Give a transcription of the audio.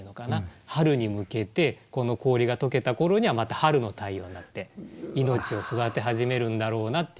春に向けてこの氷が解けた頃にはまた春の太陽になって命を育て始めるんだろうなっていう。